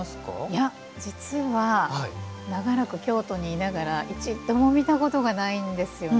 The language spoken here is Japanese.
いや、実は長らく京都にいながら一度も見たことがないんですよね。